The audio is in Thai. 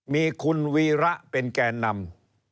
มีคุณวีระเป็นแก่นำ